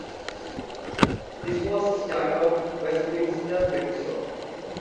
This was the start of Westminster Bridge Road.